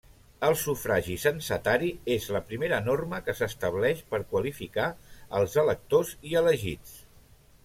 El sufragi censatari és la primera norma que s'estableix per qualificar els electors i elegits.